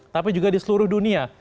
tapi juga di seluruh dunia